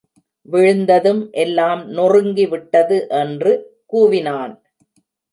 விழுந்ததும், எல்லாம் நொறுங்கி விட்டது! என்று கூவினான்.